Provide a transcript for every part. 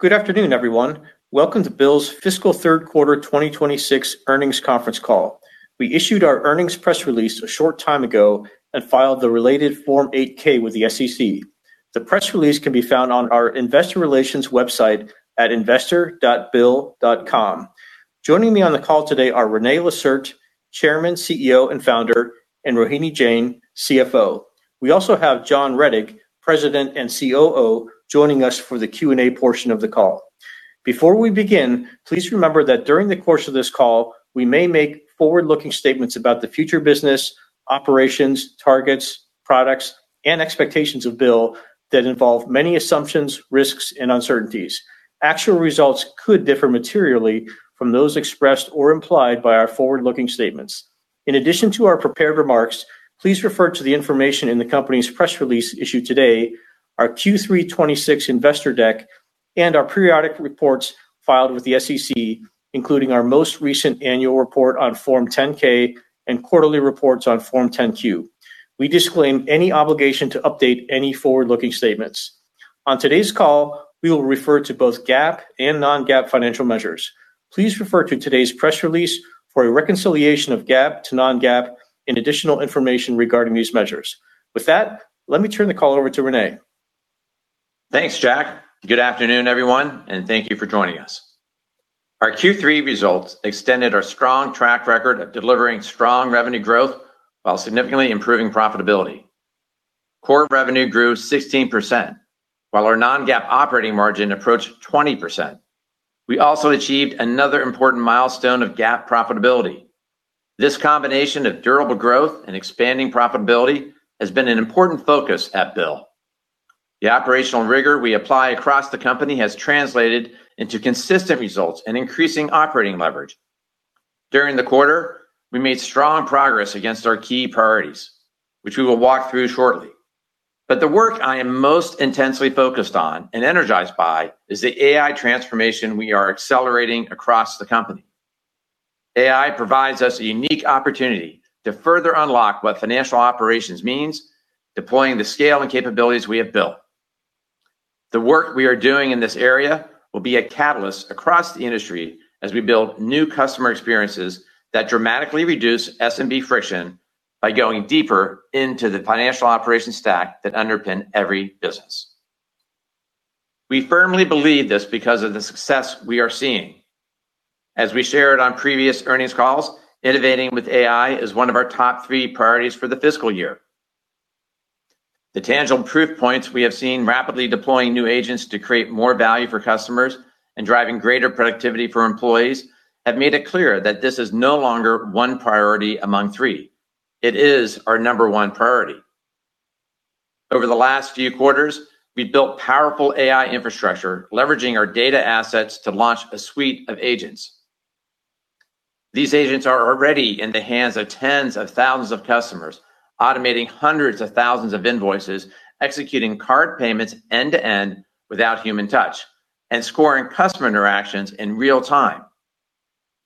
Good afternoon, everyone. Welcome to BILL's fiscal third quarter 2026 earnings conference call. We issued our earnings press release a short time ago and filed the related Form 8-K with the SEC. The press release can be found on our Investor Relations website at investor.bill.com. Joining me on the call today are René Lacerte, Chairman, CEO, and Founder, and Rohini Jain, CFO. We also have John Rettig, President and COO, joining us for the Q&A portion of the call. Before we begin, please remember that during the course of this call, we may make forward-looking statements about the future business, operations, targets, products, and expectations of BILL that involve many assumptions, risks, and uncertainties. Actual results could differ materially from those expressed or implied by our forward-looking statements. In addition to our prepared remarks, please refer to the information in the company's press release issued today, our Q3 2026 Investor Deck, and our periodic reports filed with the SEC, including our most recent annual report on Form 10-K and quarterly reports on Form 10-Q. We disclaim any obligation to update any forward-looking statements. On today's call, we will refer to both GAAP and non-GAAP financial measures. Please refer to today's press release for a reconciliation of GAAP to non-GAAP and additional information regarding these measures. With that, let me turn the call over to René. Thanks, Jack. Good afternoon, everyone, and thank you for joining us. Our Q3 results extended our strong track record of delivering strong revenue growth while significantly improving profitability. Core revenue grew 16% while our non-GAAP operating margin approached 20%. We also achieved another important milestone of GAAP profitability. This combination of durable growth and expanding profitability has been an important focus at BILL. The operational rigor we apply across the company has translated into consistent results and increasing operating leverage. During the quarter, we made strong progress against our key priorities, which we will walk through shortly. The work I am most intensely focused on and energized by is the AI transformation we are accelerating across the company. AI provides us a unique opportunity to further unlock what financial operations means, deploying the scale and capabilities we have built. The work we are doing in this area will be a catalyst across the industry as we build new customer experiences that dramatically reduce SMB friction by going deeper into the financial operations stack that underpin every business. We firmly believe this because of the success we are seeing. As we shared on previous earnings calls, innovating with AI is one of our top three priorities for the fiscal year. The tangible proof points we have seen rapidly deploying new agents to create more value for customers and driving greater productivity for employees have made it clear that this is no longer one priority among three. It is our number one priority. Over the last few quarters, we built powerful AI infrastructure, leveraging our data assets to launch a suite of agents. These agents are already in the hands of tens of thousands of customers, automating hundreds of thousands of invoices, executing card payments end-to-end without human touch, and scoring customer interactions in real time.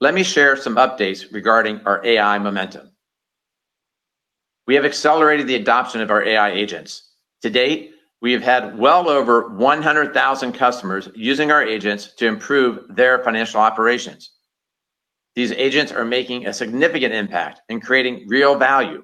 Let me share some updates regarding our AI momentum. We have accelerated the adoption of our AI agents. To date, we have had well over 100,000 customers using our agents to improve their financial operations. These agents are making a significant impact in creating real value.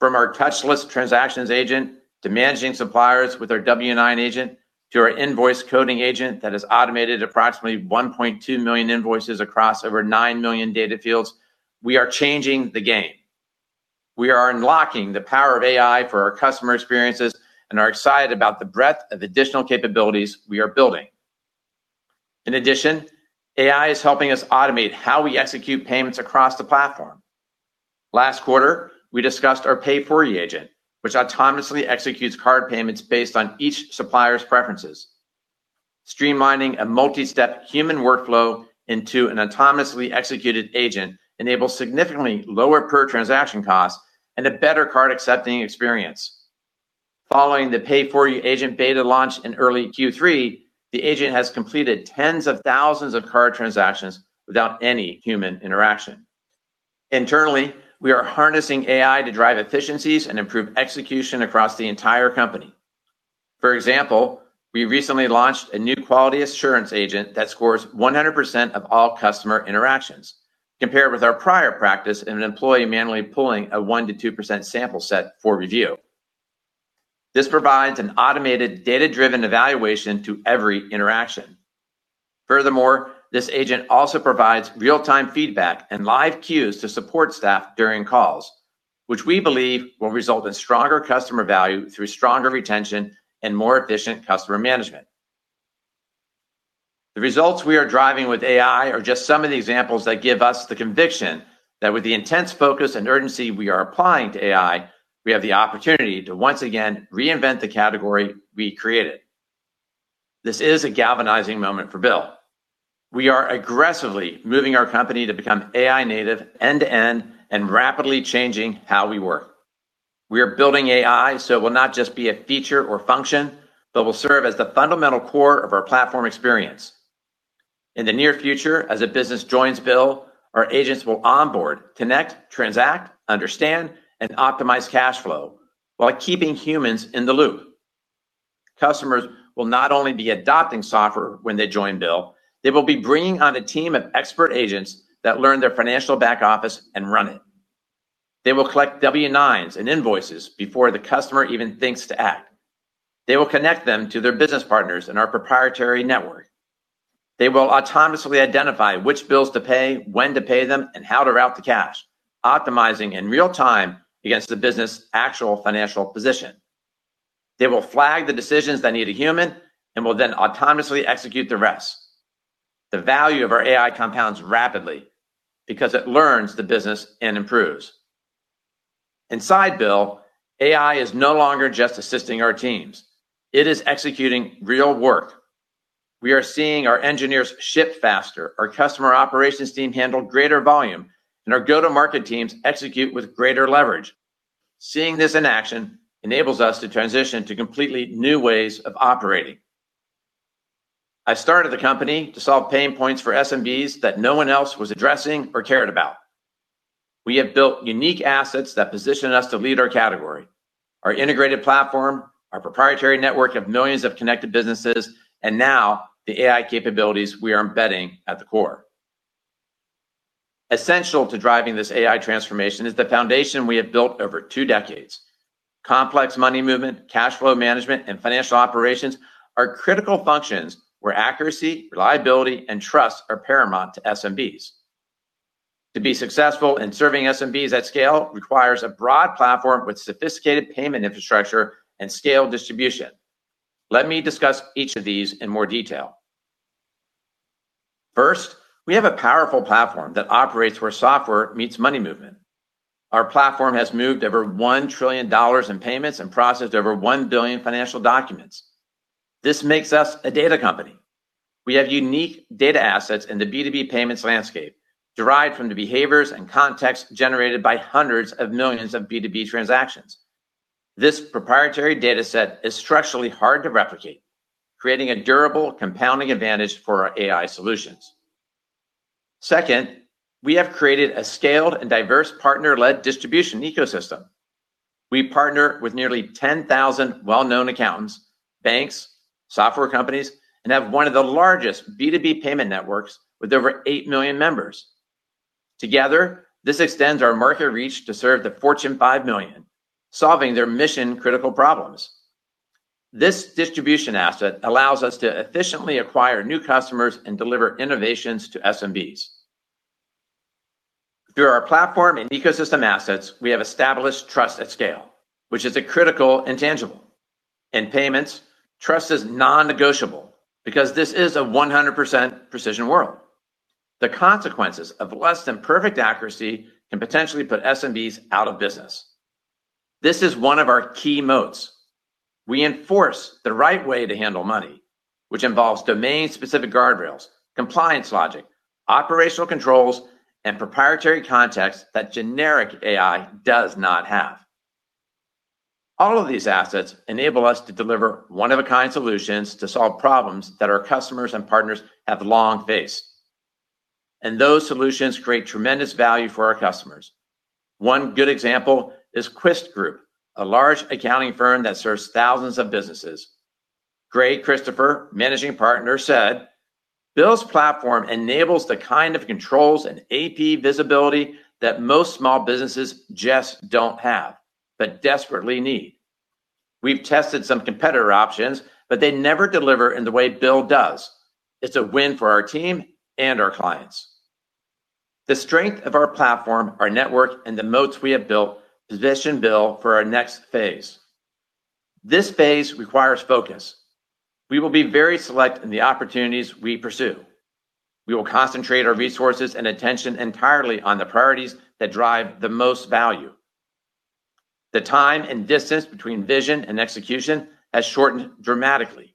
From our touchless transactions agent to managing suppliers with our W-9 agent to our Invoice Coding Agent that has automated approximately 1.2 million invoices across over 9 million data fields, we are changing the game. We are unlocking the power of AI for our customer experiences and are excited about the breadth of additional capabilities we are building. In addition, AI is helping us automate how we execute payments across the platform. Last quarter, we discussed our Pay For You agent, which autonomously executes card payments based on each supplier's preferences. Streamlining a multi-step human workflow into an autonomously executed agent enables significantly lower per transaction costs and a better card accepting experience. Following the Pay For You agent beta launch in early Q3, the agent has completed tens of thousands of card transactions without any human interaction. Internally, we are harnessing AI to drive efficiencies and improve execution across the entire company. For example, we recently launched a new quality assurance agent that scores 100% of all customer interactions compared with our prior practice in an employee manually pulling a 1%-2% sample set for review. This provides an automated data-driven evaluation to every interaction. Furthermore, this agent also provides real-time feedback and live cues to support staff during calls, which we believe will result in stronger customer value through stronger retention and more efficient customer management. The results we are driving with AI are just some of the examples that give us the conviction that with the intense focus and urgency we are applying to AI, we have the opportunity to once again reinvent the category we created. This is a galvanizing moment for BILL. We are aggressively moving our company to become AI native end-to-end and rapidly changing how we work. We are building AI so it will not just be a feature or function, but will serve as the fundamental core of our platform experience. In the near future, as a business joins BILL, our agents will onboard, connect, transact, understand, and optimize cash flow while keeping humans in the loop. Customers will not only be adopting software when they join BILL, they will be bringing on a team of expert agents that learn their financial back office and run it. They will collect W-9s and invoices before the customer even thinks to act. They will connect them to their business partners in our proprietary network. They will autonomously identify which bills to pay, when to pay them, and how to route the cash, optimizing in real time against the business' actual financial position. They will flag the decisions that need a human and will then autonomously execute the rest. The value of our AI compounds rapidly because it learns the business and improves. Inside BILL, AI is no longer just assisting our teams. It is executing real work. We are seeing our engineers ship faster, our customer operations team handle greater volume, and our go-to-market teams execute with greater leverage. Seeing this in action enables us to transition to completely new ways of operating. I started the company to solve pain points for SMBs that no one else was addressing or cared about. We have built unique assets that position us to lead our category. Our integrated platform, our proprietary network of millions of connected businesses, and now the AI capabilities we are embedding at the core. Essential to driving this AI transformation is the foundation we have built over two decades. Complex money movement, cash flow management, and financial operations are critical functions where accuracy, reliability, and trust are paramount to SMBs. To be successful in serving SMBs at scale requires a broad platform with sophisticated payment infrastructure and scale distribution. Let me discuss each of these in more detail. First, we have a powerful platform that operates where software meets money movement. Our platform has moved over $1 trillion in payments and processed over 1 billion financial documents. This makes us a data company. We have unique data assets in the B2B payments landscape derived from the behaviors and context generated by hundreds of millions of B2B transactions. This proprietary data set is structurally hard to replicate, creating a durable compounding advantage for our AI solutions. Second, we have created a scaled and diverse partner-led distribution ecosystem. We partner with nearly 10,000 well-known accountants, banks, software companies, and have one of the largest B2B payment networks with over 8 million members. Together, this extends our market reach to serve the Fortune 5 Million, solving their mission-critical problems. This distribution asset allows us to efficiently acquire new customers and deliver innovations to SMBs. Through our platform and ecosystem assets, we have established trust at scale, which is a critical and tangible. In payments, trust is non-negotiable because this is a 100% precision world. The consequences of less than perfect accuracy can potentially put SMBs out of business. This is one of our key modes. We enforce the right way to handle money, which involves domain-specific guardrails, compliance logic, operational controls, and proprietary context that generic AI does not have. All of these assets enable us to deliver one-of-a-kind solutions to solve problems that our customers and partners have long faced. Those solutions create tremendous value for our customers. One good example is Quist Group, a large accounting firm that serves thousands of businesses. Greg Christopher, Managing Partner, said, "BILL's platform enables the kind of controls and AP visibility that most small businesses just don't have, but desperately need. We've tested some competitor options, but they never deliver in the way BILL does. It's a win for our team and our clients. The strength of our platform, our network, and the moats we have built position BILL for our next phase. This phase requires focus. We will be very select in the opportunities we pursue. We will concentrate our resources and attention entirely on the priorities that drive the most value. The time and distance between vision and execution has shortened dramatically.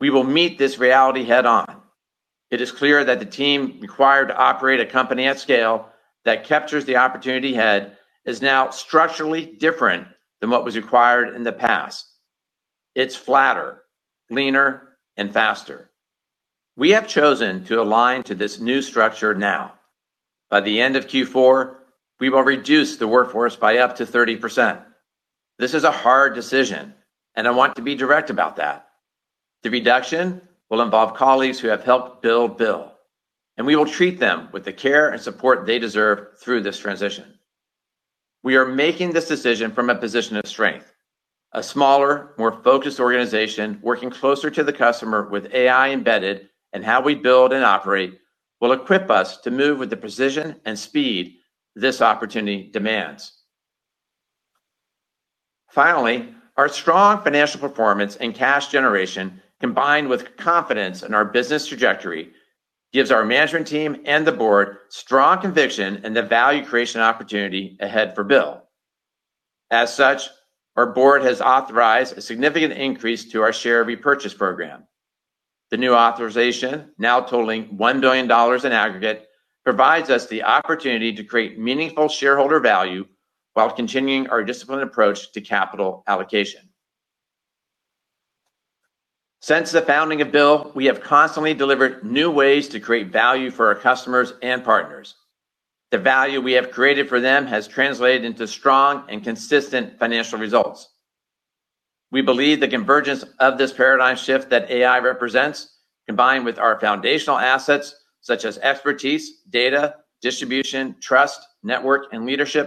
We will meet this reality head-on. It is clear that the team required to operate a company at scale that captures the opportunity ahead is now structurally different than what was required in the past. It's flatter, leaner, and faster. We have chosen to align to this new structure now. By the end of Q4, we will reduce the workforce by up to 30%. This is a hard decision, and I want to be direct about that. The reduction will involve colleagues who have helped build BILL, and we will treat them with the care and support they deserve through this transition. We are making this decision from a position of strength. A smaller, more focused organization working closer to the customer with AI embedded in how we build and operate will equip us to move with the precision and speed this opportunity demands. Our strong financial performance and cash generation, combined with confidence in our business trajectory, gives our management team and the board strong conviction in the value creation opportunity ahead for BILL. Our board has authorized a significant increase to our share repurchase program. The new authorization, now totaling $1 billion in aggregate, provides us the opportunity to create meaningful shareholder value while continuing our disciplined approach to capital allocation. Since the founding of BILL, we have constantly delivered new ways to create value for our customers and partners. The value we have created for them has translated into strong and consistent financial results. We believe the convergence of this paradigm shift that AI represents, combined with our foundational assets such as expertise, data, distribution, trust, network, and leadership,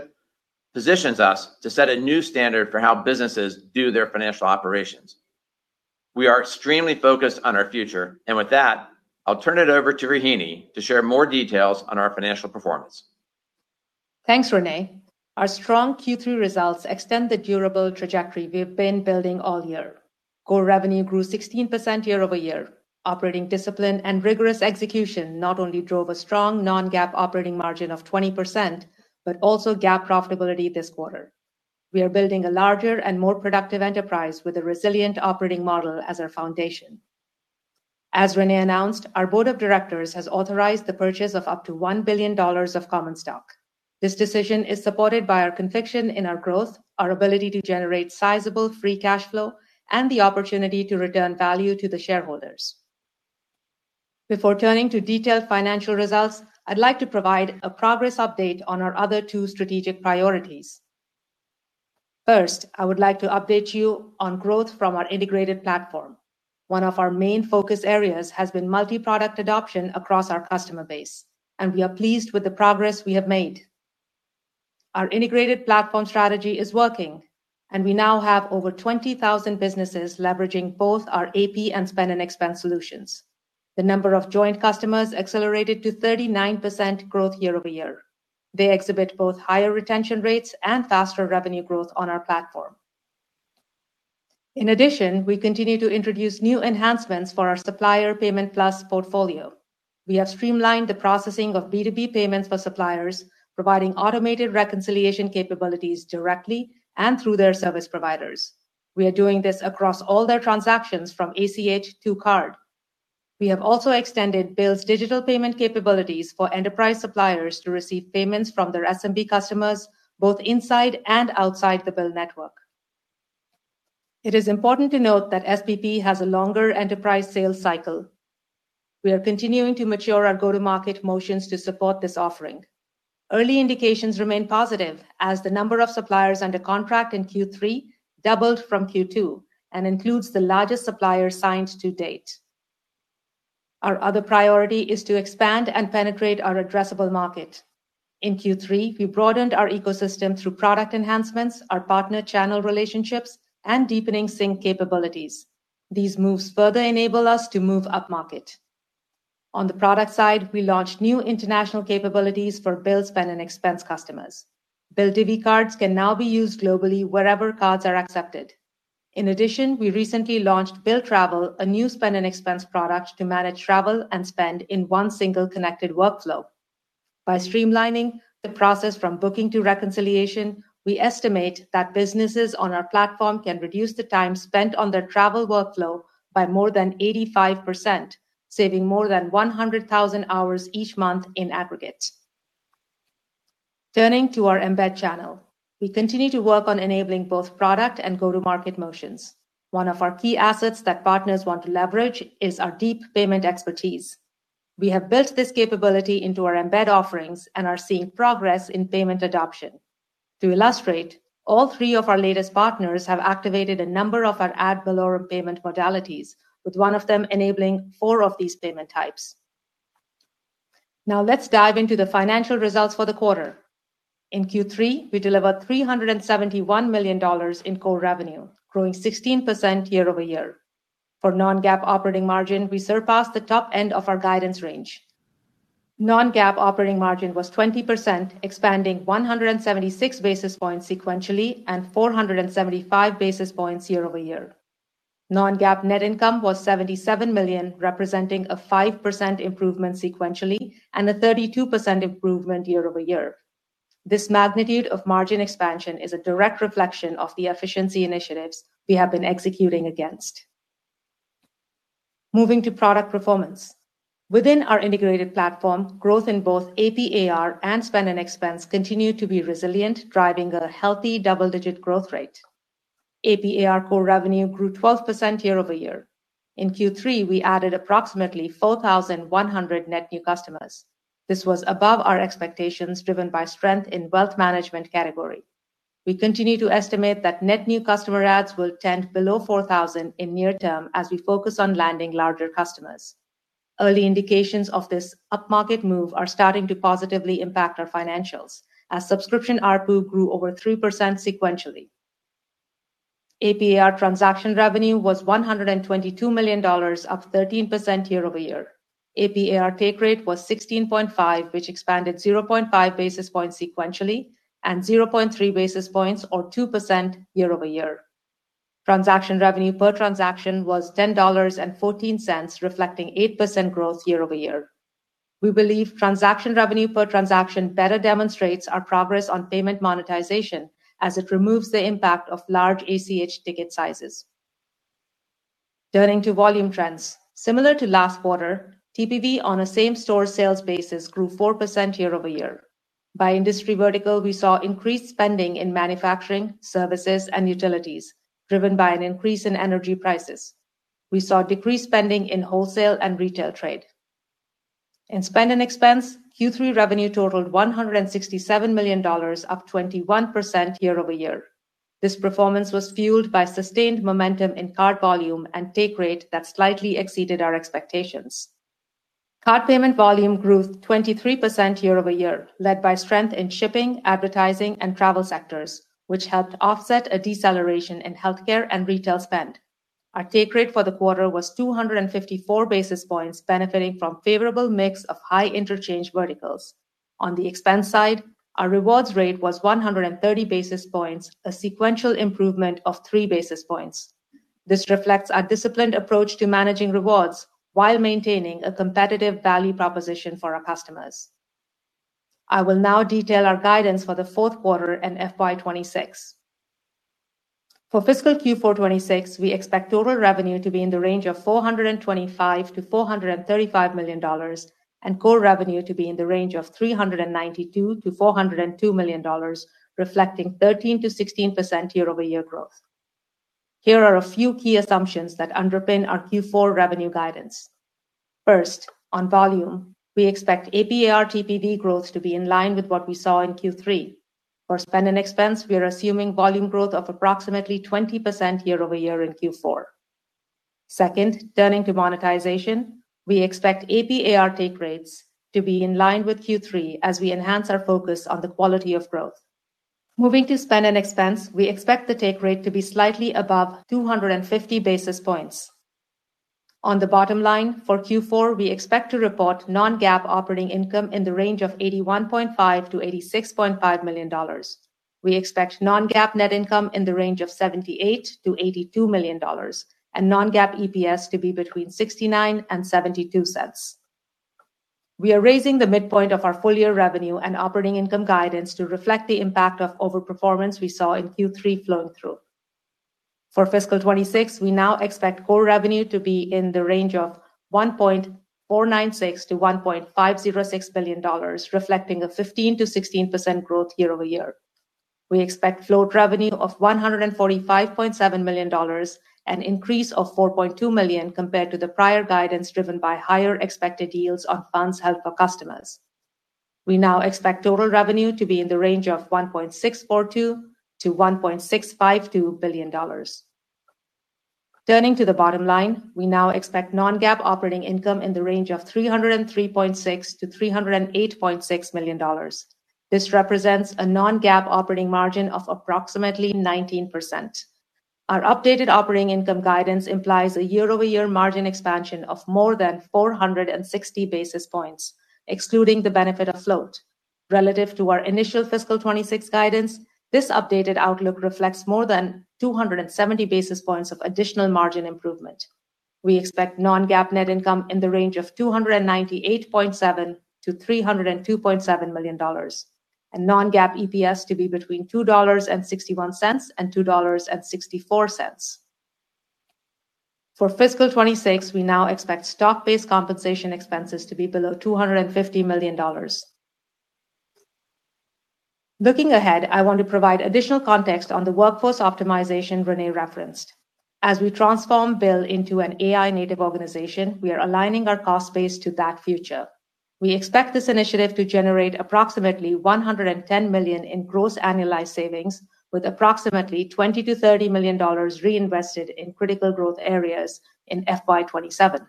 positions us to set a new standard for how businesses do their financial operations. We are extremely focused on our future. With that, I'll turn it over to Rohini to share more details on our financial performance. Thanks, René. Our strong Q3 results extend the durable trajectory we've been building all year. Core revenue grew 16% year-over-year. Operating discipline and rigorous execution not only drove a strong non-GAAP operating margin of 20%, but also GAAP profitability this quarter. We are building a larger and more productive enterprise with a resilient operating model as our foundation. As René announced, our board of directors has authorized the purchase of up to $1 billion of common stock. This decision is supported by our conviction in our growth, our ability to generate sizable free cash flow, and the opportunity to return value to the shareholders. Before turning to detailed financial results, I'd like to provide a progress update on our other two strategic priorities. First, I would like to update you on growth from our integrated platform. One of our main focus areas has been multi-product adoption across our customer base, and we are pleased with the progress we have made. Our integrated platform strategy is working, and we now have over 20,000 businesses leveraging both our AP and Spend & Expense solutions. The number of joint customers accelerated to 39% growth year-over-year. They exhibit both higher retention rates and faster revenue growth on our platform. In addition, we continue to introduce new enhancements for our BILL Supplier Payments Plus portfolio. We have streamlined the processing of B2B payments for suppliers, providing automated reconciliation capabilities directly and through their service providers. We are doing this across all their transactions from ACH to card. We have also extended BILL's digital payment capabilities for enterprise suppliers to receive payments from their SMB customers, both inside and outside the BILL network. It is important to note that SPP has a longer enterprise sales cycle. We are continuing to mature our go-to-market motions to support this offering. Early indications remain positive as the number of suppliers under contract in Q3 doubled from Q2 and includes the largest supplier signed to date. Our other priority is to expand and penetrate our addressable market. In Q3, we broadened our ecosystem through product enhancements, our partner channel relationships, and deepening sync capabilities. These moves further enable us to move upmarket. On the product side, we launched new international capabilities for BILL Spend & Expense customers. BILL Divvy Cards can now be used globally wherever cards are accepted. In addition, we recently launched BILL Travel, a new Spend & Expense product to manage travel and spend in one single connected workflow. By streamlining the process from booking to reconciliation, we estimate that businesses on our platform can reduce the time spent on their travel workflow by more than 85%, saving more than 100,000 hours each month in aggregate. Turning to our embed channel, we continue to work on enabling both product and go-to-market motions. One of our key assets that partners want to leverage is our deep payment expertise. We have built this capability into our embed offerings and are seeing progress in payment adoption. To illustrate, all three of our latest partners have activated a number of our ad valorem payment modalities, with one of them enabling four of these payment types. Now let's dive into the financial results for the quarter. In Q3, we delivered $371 million in core revenue, growing 16% year-over-year. For non-GAAP operating margin, we surpassed the top end of our guidance range. Non-GAAP operating margin was 20%, expanding 176 basis points sequentially and 475 basis points year-over-year. Non-GAAP net income was $77 million, representing a 5% improvement sequentially and a 32% improvement year-over-year. This magnitude of margin expansion is a direct reflection of the efficiency initiatives we have been executing against. Moving to product performance. Within our integrated platform, growth in both AP/AR and Spend & Expense continued to be resilient, driving a healthy double-digit growth rate. AP/AR core revenue grew 12% year-over-year. In Q3, we added approximately 4,100 net new customers. This was above our expectations, driven by strength in wealth management category. We continue to estimate that net new customer adds will tend below 4,000 in near term as we focus on landing larger customers. Early indications of this upmarket move are starting to positively impact our financials as subscription ARPU grew over 3% sequentially. AP/AR transaction revenue was $122 million, up 13% year-over-year. AP/AR take rate was 16.5, which expanded 0.5 basis points sequentially and 0.3 basis points or 2% year-over-year. Transaction revenue per transaction was $10.14, reflecting 8% growth year-over-year. We believe transaction revenue per transaction better demonstrates our progress on payment monetization as it removes the impact of large ACH ticket sizes. Turning to volume trends, similar to last quarter, TPV on a same-store sales basis grew 4% year-over-year. By industry vertical, we saw increased spending in manufacturing, services, and utilities driven by an increase in energy prices. We saw decreased spending in wholesale and retail trade. In Spend & Expense, Q3 revenue totaled $167 million, up 21% year-over-year. This performance was fueled by sustained momentum in card volume and take rate that slightly exceeded our expectations. Card payment volume grew 23% year-over-year, led by strength in shipping, advertising, and travel sectors, which helped offset a deceleration in healthcare and retail spend. Our take rate for the quarter was 254 basis points, benefiting from favorable mix of high interchange verticals. On the expense side, our rewards rate was 130 basis points, a sequential improvement of 3 basis points. This reflects our disciplined approach to managing rewards while maintaining a competitive value proposition for our customers. I will now detail our guidance for the fourth quarter and FY 2026. For fiscal Q4 2026, we expect total revenue to be in the range of $425 million-$435 million and core revenue to be in the range of $392 million-$402 million, reflecting 13%-16% year-over-year growth. Here are a few key assumptions that underpin our Q4 revenue guidance. First, on volume, we expect AP/AR TPV growth to be in line with what we saw in Q3. For Spend & Expense, we are assuming volume growth of approximately 20% year-over-year in Q4. Second, turning to monetization, we expect AP/AR take rates to be in line with Q3 as we enhance our focus on the quality of growth. Moving to Spend & Expense, we expect the take rate to be slightly above 250 basis points. On the bottom line, for Q4, we expect to report non-GAAP operating income in the range of $81.5 million-$86.5 million. We expect non-GAAP net income in the range of $78 million-$82 million and non-GAAP EPS to be between $0.69-$0.72. We are raising the midpoint of our full-year revenue and operating income guidance to reflect the impact of overperformance we saw in Q3 flowing through. For fiscal 2026, we now expect core revenue to be in the range of $1.496 billion-$1.506 billion, reflecting a 15%-16% growth year-over-year. We expect float revenue of $145.7 million, an increase of $4.2 million compared to the prior guidance driven by higher expected yields on funds held for customers. We now expect total revenue to be in the range of $1.642 billion-$1.652 billion. Turning to the bottom line, we now expect non-GAAP operating income in the range of $303.6 million-$308.6 million. This represents a non-GAAP operating margin of approximately 19%. Our updated operating income guidance implies a year-over-year margin expansion of more than 460 basis points, excluding the benefit of float. Relative to our initial fiscal 2026 guidance, this updated outlook reflects more than 270 basis points of additional margin improvement. We expect non-GAAP net income in the range of $298.7 million-$302.7 million and non-GAAP EPS to be between $2.61 and $2.64. For fiscal 2026, we now expect stock-based compensation expenses to be below $250 million. Looking ahead, I want to provide additional context on the workforce optimization René referenced. As we transform BILL into an AI-native organization, we are aligning our cost base to that future. We expect this initiative to generate approximately $110 million in gross annualized savings with approximately $20 million-$30 million reinvested in critical growth areas in FY 2027.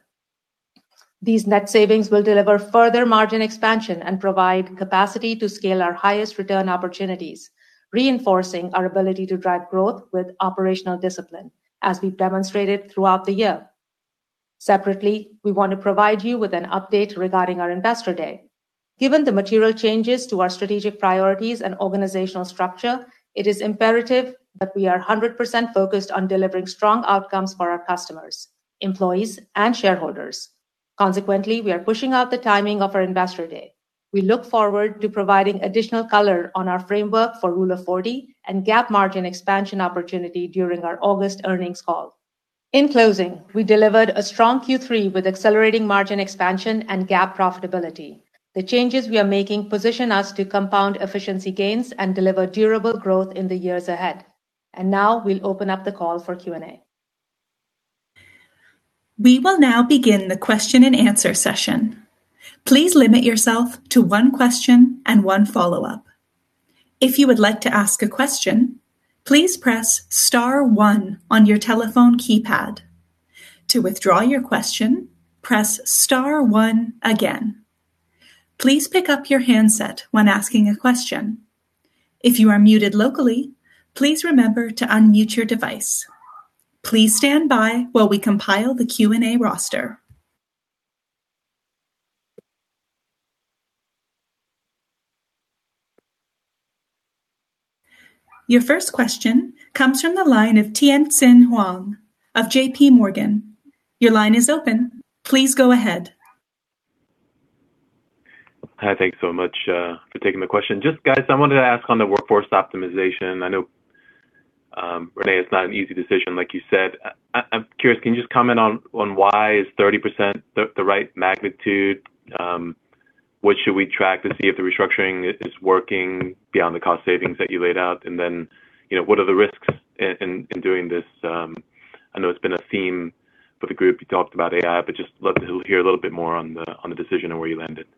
These net savings will deliver further margin expansion and provide capacity to scale our highest return opportunities, reinforcing our ability to drive growth with operational discipline, as we've demonstrated throughout the year. Separately, we want to provide you with an update regarding our Investor Day. Given the material changes to our strategic priorities and organizational structure, it is imperative that we are 100% focused on delivering strong outcomes for our customers, employees, and shareholders. Consequently, we are pushing out the timing of our Investor Day. We look forward to providing additional color on our framework for Rule of 40 and GAAP margin expansion opportunity during our August earnings call. In closing, we delivered a strong Q3 with accelerating margin expansion and GAAP profitability. The changes we are making position us to compound efficiency gains and deliver durable growth in the years ahead. Now we'll open up the call for Q&A. We will now begin the question-and-answer session. Please limit yourself to one question and one follow-up. If you would like to ask a question, please press star one on your telephone keypad. To withdraw your question, press star one again. Please pick up your handset when asking a question. If you are muted locally, please remember to unmute your device. Please standby while we compile the Q&A roster. Your first question comes from the line of Tien-tsin Huang of JPMorgan. Your line is open. Please go ahead. Hi, thanks so much for taking the question. Just guys, I wanted to ask on the workforce optimization. I know, René, it's not an easy decision like you said. I'm curious, can you just comment on why is 30% the right magnitude? What should we track to see if the restructuring is working beyond the cost savings that you laid out? You know, what are the risks in doing this? I know it's been a theme for the group. You talked about AI, just love to hear a little bit more on the decision and where you landed.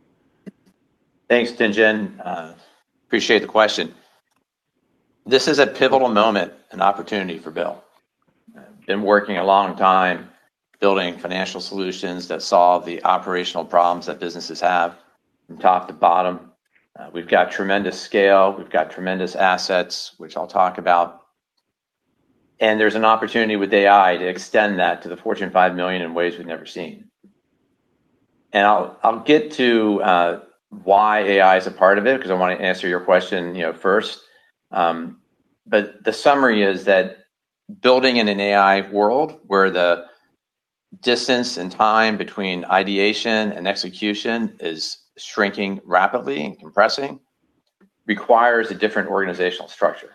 Thanks, Tien-tsin. Appreciate the question. This is a pivotal moment and opportunity for BILL. We've been working a long time building financial solutions that solve the operational problems that businesses have from top to bottom. We've got tremendous scale, we've got tremendous assets, which I'll talk about, and there's an opportunity with AI to extend that to the Fortune 5 Million in ways we've never seen. I'll get to why AI is a part of it because I want to answer your question, you know, first. The summary is that building in an AI world where the distance and time between ideation and execution is shrinking rapidly and compressing requires a different organizational structure.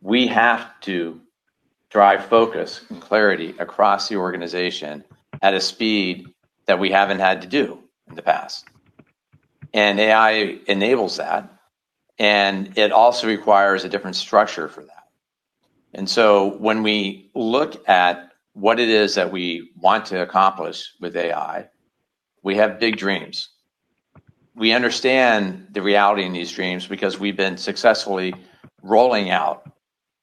We have to drive focus and clarity across the organization at a speed that we haven't had to do in the past. AI enables that, and it also requires a different structure for that. When we look at what it is that we want to accomplish with AI, we have big dreams. We understand the reality in these dreams because we've been successfully rolling out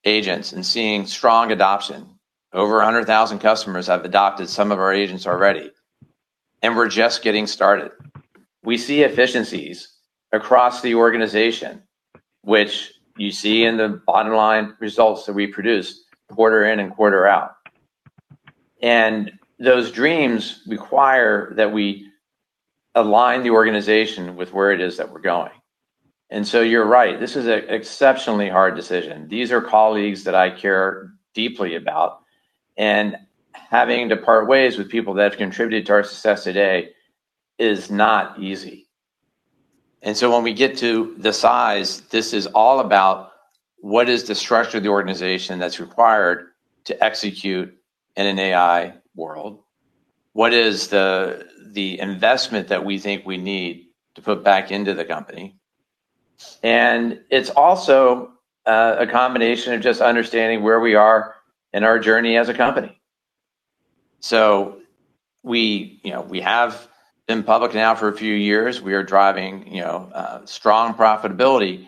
agents and seeing strong adoption. Over 100,000 customers have adopted some of our agents already, and we're just getting started. We see efficiencies across the organization, which you see in the bottom line results that we produce quarter in and quarter out. Those dreams require that we align the organization with where it is that we're going. You're right, this is an exceptionally hard decision. These are colleagues that I care deeply about. Having to part ways with people that have contributed to our success today is not easy. When we get to the size, this is all about what is the structure of the organization that's required to execute in an AI world? What is the investment that we think we need to put back into the company? It's also a combination of just understanding where we are in our journey as a company. We, you know, we have been public now for a few years. We are driving, you know, strong profitability,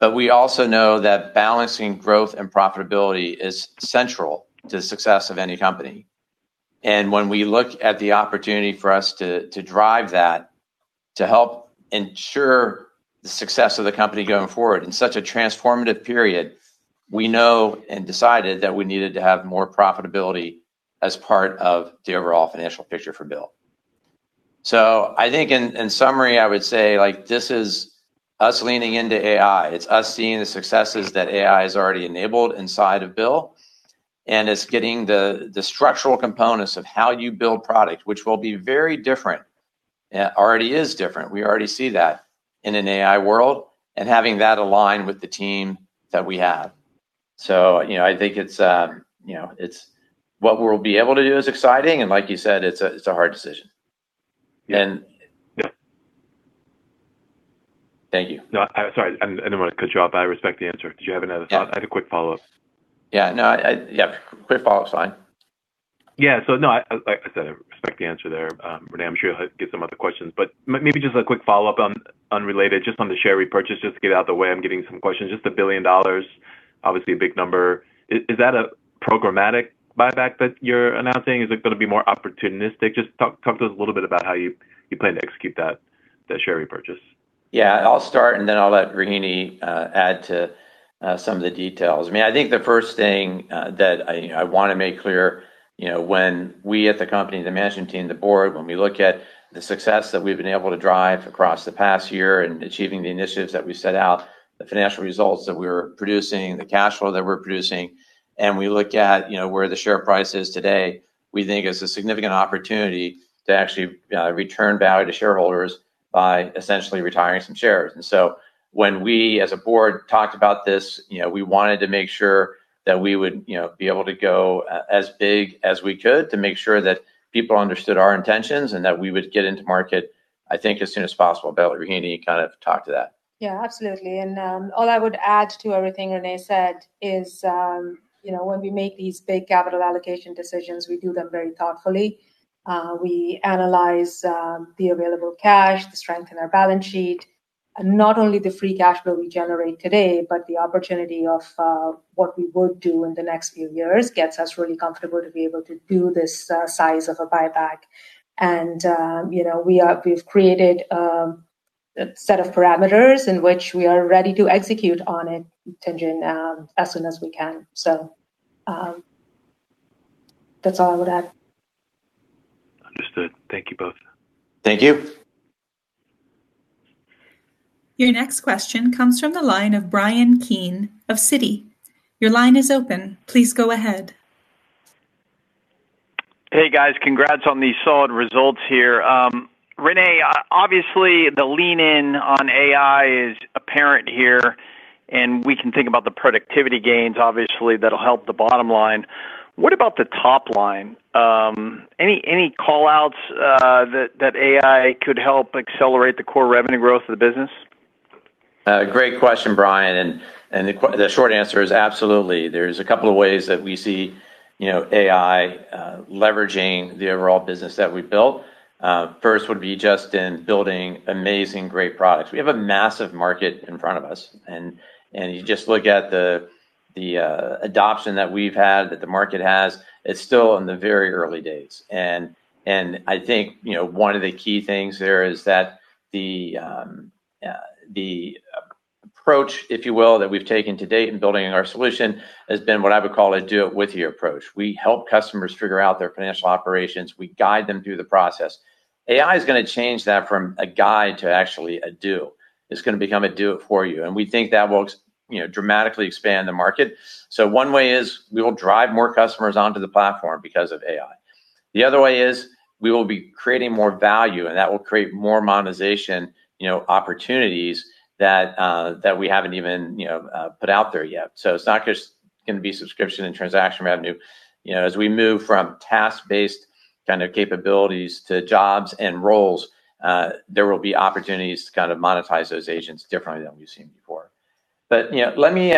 but we also know that balancing growth and profitability is central to the success of any company. When we look at the opportunity for us to drive that, to help ensure the success of the company going forward in such a transformative period, we know and decided that we needed to have more profitability as part of the overall financial picture for BILL. I think in summary, I would say like this is us leaning into AI. It's us seeing the successes that AI has already enabled inside of BILL, and it's getting the structural components of how you build product, which will be very different, already is different. We already see that in an AI world and having that align with the team that we have. You know, I think it's, you know, it's what we'll be able to do is exciting, and like you said, it's a hard decision. Yeah. Thank you. No, sorry, I didn't want to cut you off. I respect the answer. Did you have another thought? Yeah. I had a quick follow-up. Yeah, no, I, Yeah, quick follow-up's fine. No, I, like I said, I respect the answer there. René, I'm sure you'll get some other questions, but maybe just a quick follow-up on, unrelated, just on the share repurchase, just to get it out the way. I'm getting some questions. Just $1 billion, obviously a big number. Is that a programmatic buyback that you're announcing? Is it gonna be more opportunistic? Just talk to us a little bit about how you plan to execute that share repurchase. Yeah. I'll start, and then I'll let Rohini add to some of the details. I mean, I think the first thing that I wanna make clear, you know, when we at the company, the management team, the board, when we look at the success that we've been able to drive across the past year and achieving the initiatives that we set out, the financial results that we're producing, the cash flow that we're producing, and we look at, you know, where the share price is today, we think it's a significant opportunity to actually return value to shareholders by essentially retiring some shares. When we as a board talked about this, you know, we wanted to make sure that we would, you know, be able to go as big as we could to make sure that people understood our intentions and that we would get into market, I think, as soon as possible. Rohini, kind of talk to that. Absolutely. All I would add to everything René said is, you know, when we make these big capital allocation decisions, we do them very thoughtfully. We analyze the available cash, the strength in our balance sheet, and not only the free cash flow we generate today, but the opportunity of what we would do in the next few years gets us really comfortable to be able to do this size of a buyback. You know, we've created a set of parameters in which we are ready to execute on it, Tien-tsin, as soon as we can. That's all I would add. Understood. Thank you both. Thank you. Your next question comes from the line of Bryan Keane of Citi. Your line is open. Please go ahead. Hey guys, congrats on the solid results here. René, obviously the lean in on AI is apparent here, and we can think about the productivity gains obviously that'll help the bottom line. What about the top line? any call-outs that AI could help accelerate the core revenue growth of the business? Great question, Bryan. The short answer is absolutely. There's a couple of ways that we see, you know, AI leveraging the overall business that we've built. First would be just in building amazing, great products. We have a massive market in front of us, and you just look at the adoption that we've had, that the market has, it's still in the very early days. I think, you know, one of the key things there is that the approach, if you will, that we've taken to date in building our solution has been what I would call a do-it-with-you approach. We help customers figure out their financial operations. We guide them through the process. AI is gonna change that from a guide to actually a do. It's gonna become a do it for you, and we think that will you know, dramatically expand the market. One way is we will drive more customers onto the platform because of AI. The other way is we will be creating more value, and that will create more monetization, you know, opportunities that we haven't even, you know, put out there yet. It's not just gonna be subscription and transaction revenue. You know, as we move from task-based kind of capabilities to jobs and roles, there will be opportunities to kind of monetize those agents differently than we've seen before. You know, let me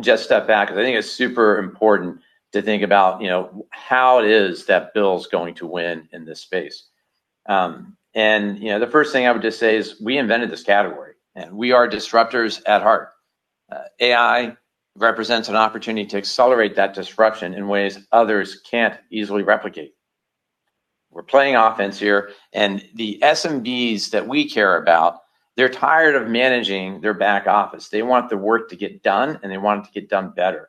just step back because I think it's super important to think about, you know, how it is that BILL's going to win in this space. You know, the first thing I would just say is we invented this category, and we are disruptors at heart. AI represents an opportunity to accelerate that disruption in ways others can't easily replicate. We're playing offense here. The SMBs that we care about, they're tired of managing their back office. They want the work to get done, and they want it to get done better.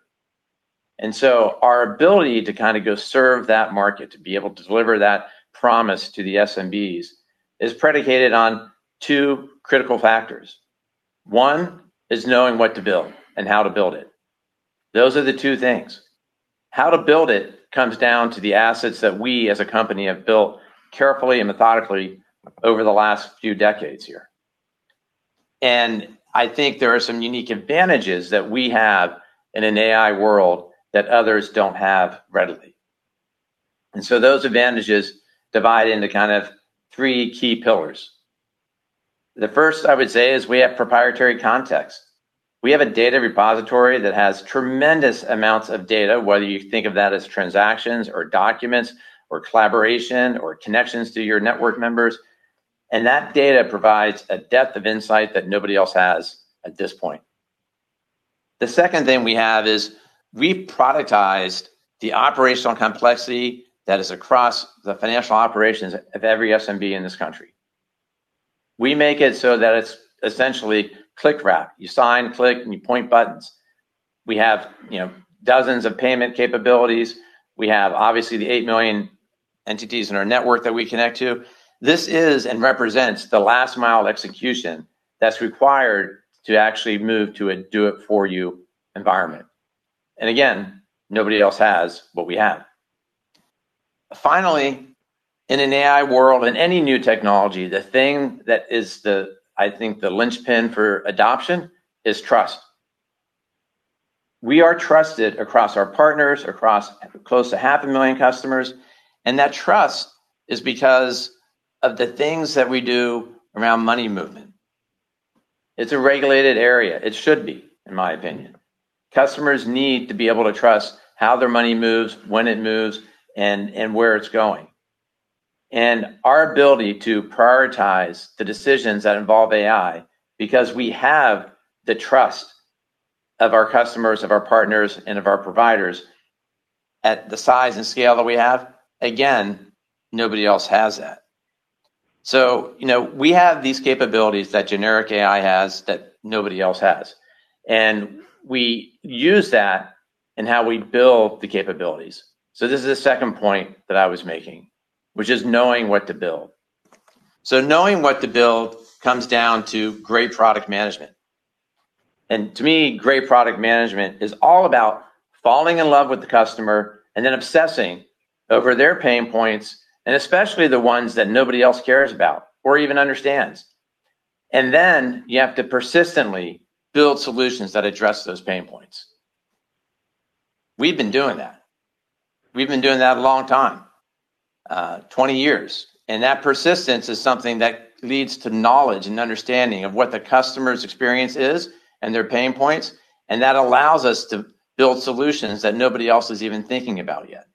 Our ability to kind of go serve that market, to be able to deliver that promise to the SMBs, is predicated on two critical factors. One is knowing what to build and how to build it. Those are the two things. How to build it comes down to the assets that we as a company have built carefully and methodically over the last few decades here. I think there are some unique advantages that we have in an AI world that others don't have readily. Those advantages divide into kind of three key pillars. The first I would say is we have proprietary context. We have a data repository that has tremendous amounts of data, whether you think of that as transactions or documents or collaboration or connections to your network members, and that data provides a depth of insight that nobody else has at this point. The second thing we have is we've productized the operational complexity that is across the financial operations of every SMB in this country. We make it so that it's essentially click wrap. You sign, click, and you point buttons. We have, you know, dozens of payment capabilities. We have obviously the 8 million entities in our network that we connect to. This is and represents the last mile of execution that's required to actually move to a do it for you environment. Again, nobody else has what we have. Finally, in an AI world and any new technology, the thing that is the linchpin for adoption is trust. We are trusted across our partners, across close to half a million customers, and that trust is because of the things that we do around money movement. It's a regulated area. It should be, in my opinion. Customers need to be able to trust how their money moves, when it moves, and where it's going. Our ability to prioritize the decisions that involve AI, because we have the trust of our customers, of our partners, and of our providers at the size and scale that we have, again, nobody else has that. You know, we have these capabilities that generic AI has that nobody else has, and we use that in how we build the capabilities. This is the second point that I was making, which is knowing what to build. Knowing what to build comes down to great product management. To me, great product management is all about falling in love with the customer and then obsessing over their pain points, and especially the ones that nobody else cares about or even understands. Then you have to persistently build solutions that address those pain points. We've been doing that. We've been doing that a long time, 20 years, and that persistence is something that leads to knowledge and understanding of what the customer's experience is and their pain points, and that allows us to build solutions that nobody else is even thinking about yet.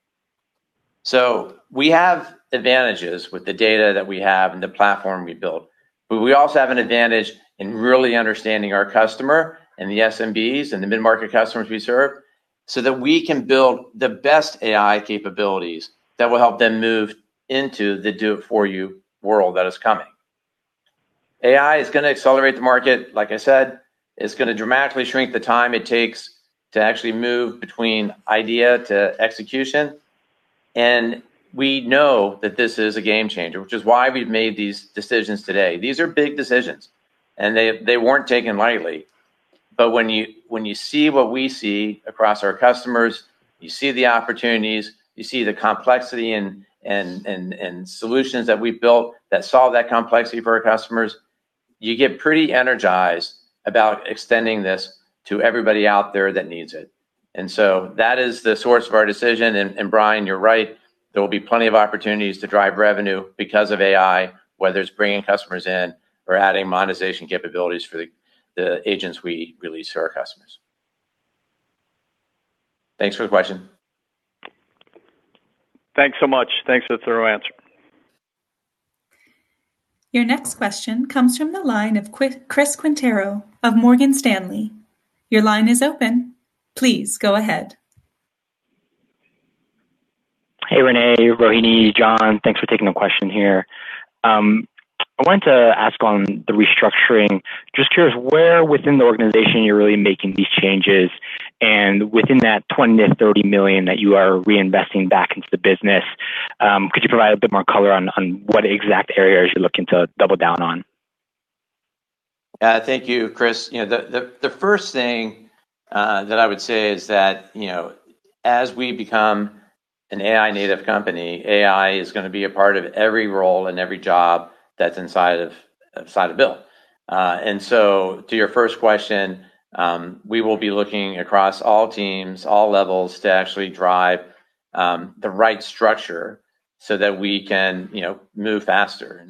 We have advantages with the data that we have and the platform we build, but we also have an advantage in really understanding our customer and the SMBs and the mid-market customers we serve so that we can build the best AI capabilities that will help them move into the do-it-for-you world that is coming. AI is going to accelerate the market. Like I said, it's going to dramatically shrink the time it takes to actually move between idea to execution. We know that this is a game changer, which is why we've made these decisions today. These are big decisions, they weren't taken lightly. When you see what we see across our customers, you see the opportunities, you see the complexity and solutions that we've built that solve that complexity for our customers, you get pretty energized about extending this to everybody out there that needs it. That is the source of our decision. Bryan Keane, you're right, there will be plenty of opportunities to drive revenue because of AI, whether it's bringing customers in or adding monetization capabilities for the agents we release to our customers. Thanks for the question. Thanks so much. Thanks for the thorough answer. Your next question comes from the line of Chris Quintero of Morgan Stanley. Your line is open. Please go ahead. Hey, René, Rohini, John. Thanks for taking the question here. I wanted to ask on the restructuring. Just curious where within the organization you're really making these changes, and within that $20 million-$30 million that you are reinvesting back into the business, could you provide a bit more color on what exact areas you're looking to double down on? Thank you, Chris. You know, the first thing that I would say is that, you know, as we become an AI-native company, AI is gonna be a part of every role and every job that's inside of BILL. To your first question, we will be looking across all teams, all levels to actually drive the right structure so that we can, you know, move faster.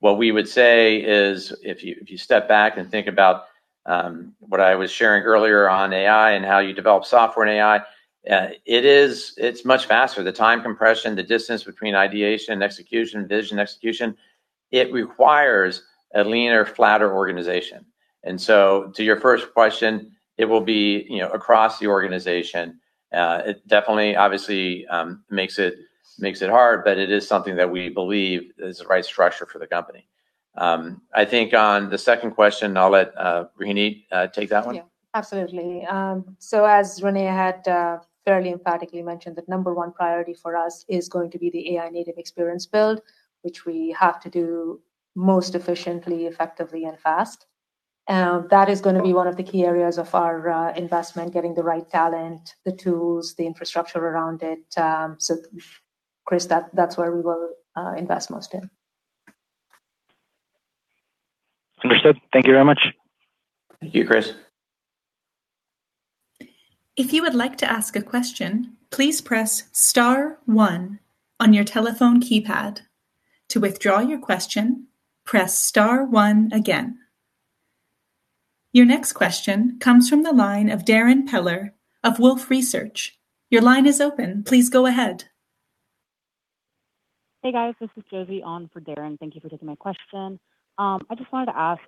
What we would say is if you step back and think about what I was sharing earlier on AI and how you develop software in AI, it is, it's much faster. The time compression, the distance between ideation and execution, vision execution, it requires a leaner, flatter organization. To your first question, it will be, you know, across the organization. It definitely obviously, makes it hard. It is something that we believe is the right structure for the company. I think on the second question, I'll let Rohini take that one. Absolutely. As René had fairly emphatically mentioned, the number one priority for us is going to be the AI-native experience build, which we have to do most efficiently, effectively, and fast. That is going to be one of the key areas of our investment, getting the right talent, the tools, the infrastructure around it. Chris, that's where we will invest most in. Understood. Thank you very much. Thank you, Chris. If you would like to ask a question, please press star one on your telephone keypad. To withdraw your question, press star one again. Your next question comes from the line of Darrin Peller of Wolfe Research. Your line is open. Please go ahead. Hey, guys, this is Josie on for Darrin. Thank you for taking my question. I just wanted to ask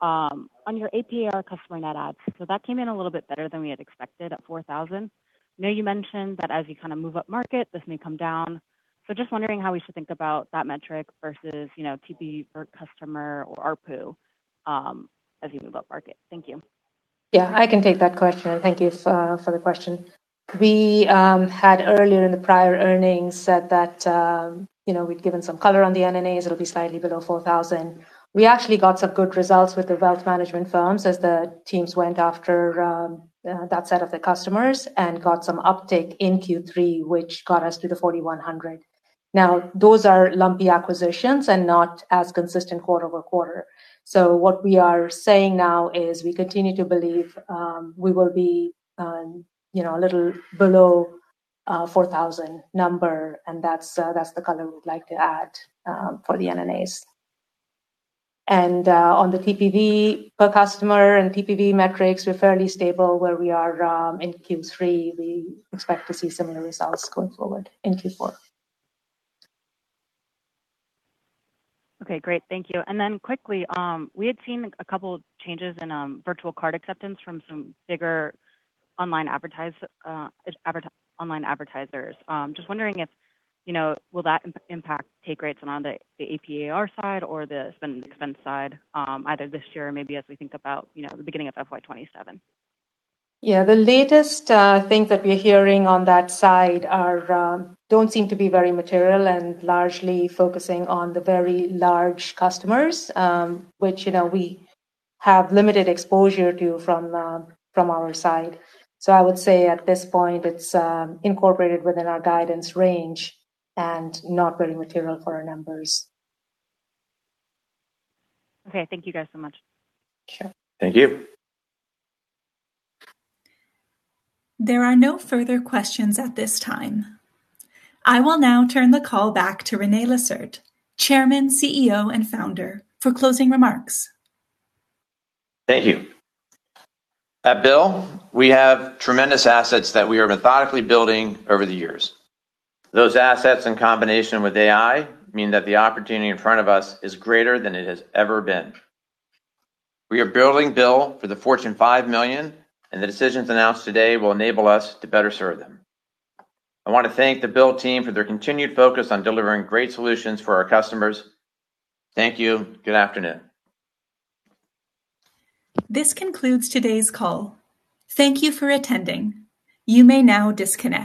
on your AP/AR customer net adds, so that came in a little bit better than we had expected at 4,000. I know you mentioned that as you kinda move up market, this may come down. Just wondering how we should think about that metric versus, you know, TPV per customer or ARPU as you move up market. Thank you. Yeah, I can take that question. Thank you for the question. We had earlier in the prior earnings said that, you know, we'd given some color on the NNAs, it'll be slightly below 4,000. We actually got some good results with the wealth management firms as the teams went after that set of the customers and got some uptick in Q3, which got us to the 4,100. Now, those are lumpy acquisition and not as consistent quarter-over-quarter. What we are saying now is we continue to believe we will be, you know, a little below 4,000 number, and that's the color we'd like to add for the NNAs. On the TPV per customer and TPV metrics, we're fairly stable where we are in Q3. We expect to see similar results going forward in Q4. Okay. Great. Thank you. Quickly, we had seen a couple changes in virtual card acceptance from some bigger online advertisers. Just wondering if, you know, will that impact take rates on the AP/AR side or the Spend & Expense side, either this year or maybe as we think about, you know, the beginning of FY 2027? Yeah. The latest things that we're hearing on that side don't seem to be very material and largely focusing on the very large customers, which, you know, we have limited exposure to from our side. I would say at this point it's incorporated within our guidance range and not very material for our numbers. Okay. Thank you guys so much. Sure. Thank you. There are no further questions at this time. I will now turn the call back to René Lacerte, Chairman, CEO, and Founder, for closing remarks. Thank you. At BILL, we have tremendous assets that we are methodically building over the years. Those assets in combination with AI mean that the opportunity in front of us is greater than it has ever been. We are building BILL for the Fortune 5 Million, the decisions announced today will enable us to better serve them. I want to thank the BILL team for their continued focus on delivering great solutions for our customers. Thank you. Good afternoon. This concludes today's call. Thank you for attending. You may now disconnect.